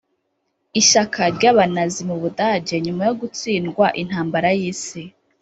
Ishyaka ry’abanazi mu budage nyuma yo gutsindwa intambara y’isi